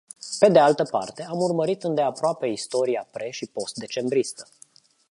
Pe de altă parte, am urmărit îndeaproape istoria pre și postdecembristă.